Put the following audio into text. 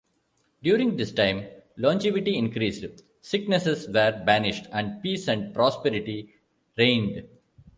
During this time longevity increased, sicknesses were banished, and peace and prosperity reigned.